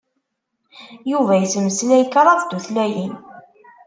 Yuba ittmeslay kraḍ n tutlayin.